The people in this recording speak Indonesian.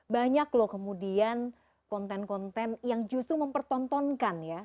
banyak loh kemudian konten konten yang justru mempertontonkan ya